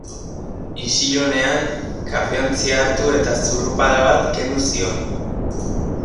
Isilunean kafeontzia hartu eta zurrupada bat kendu zion.